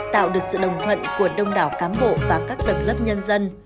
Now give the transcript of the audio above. tạo được sự đồng thuận của đông đảo cám bộ và các tầng lớp nhân dân